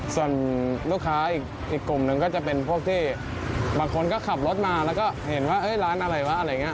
ส่วนลูกค้าอีกกลุ่มหนึ่งก็จะเป็นพวกที่บางคนก็ขับรถมาแล้วก็เห็นว่าร้านอะไรวะอะไรอย่างนี้